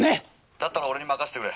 「だったら俺に任せてくれ。